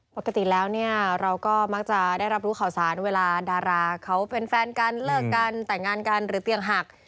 ปกติแล้วเนี่ยเราก็มักจะได้รับรู้ข่าวสารเวลาดาราเขาเป็นแฟนกันเลิกกันแต่งงานกันหรือเตียงหัก